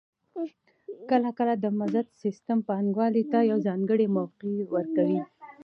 کله کله د مزد سیستم پانګوال ته یوه ځانګړې موقع ورکوي